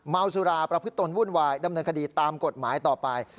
เมาสุราประพฤตนวุ่นวายดำเนินคดีตามกฎหมายต่อไป